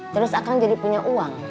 terus akan jadi punya uang